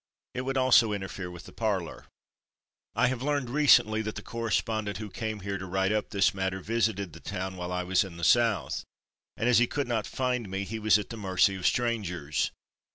It would also interfere with the parlor. I have learned recently that the correspondent who came here to write up this matter visited the town while I was in the South, and as he could not find me he was at the mercy of strangers.